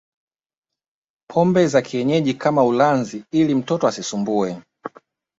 pombe za kienyeji kama ulanzi ili mtoto asisumbue